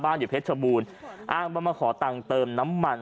บ้านอยู่เพชรบูรต์อ้างบ้างเพื่อมาขอตังค์เติมน้ำมัน